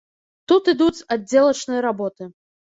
Тут ідуць аддзелачныя работы.